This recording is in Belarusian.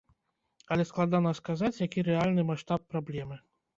Але складана сказаць, які рэальны маштаб праблемы.